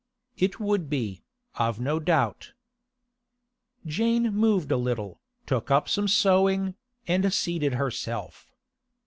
'It would be, I've no doubt.' Jane moved a little, took up some sewing, and seated herself.